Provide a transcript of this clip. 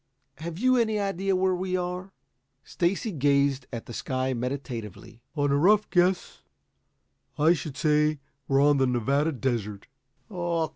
Have you any idea where we are?" Stacy gazed at the sky meditatively. "On a rough guess, I should say we were on the Nevada Desert."